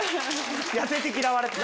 痩せて嫌われてる。